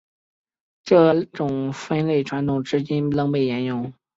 这种分类传统至今仍被沿用。